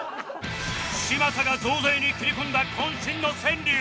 嶋佐が増税に切り込んだ渾身の川柳